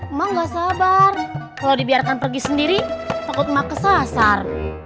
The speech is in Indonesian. emak enggak sabar kalau dibiarkan pergi sendiri takut emak kesasar